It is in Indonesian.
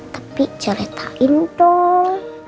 tapi ceritain dong